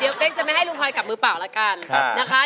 เดี๋ยวเป๊กจะไม่ให้ลุงพลอยกลับมือเปล่าละกันนะคะ